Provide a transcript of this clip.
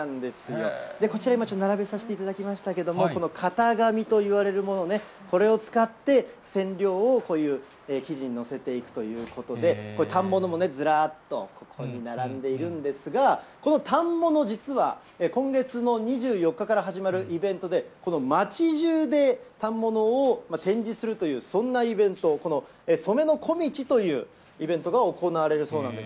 こちら今、ちょっと並べさせていただきましたけれども、この型紙といわれるものね、これを使って、染料をこういう生地にのせていくということで、これ、反物もずらっとここに並んでいるんですが、この反物、実は今月の２４日から始まるイベントで、街じゅうで反物を展示するという、そんなイベント、この染の小道というイベントが行われるそうなんです。